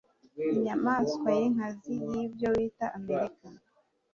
inyamaswa y'inkazi y'ibyo wita amerika